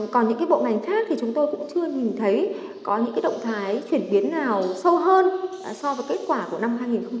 còn những bộ ngành khác thì chúng tôi cũng chưa nhìn thấy có những động thái chuyển biến nào sâu hơn so với kết quả của năm hai nghìn một mươi chín